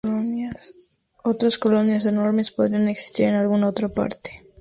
Otras colonias enormes podrían existir en alguna otra parte.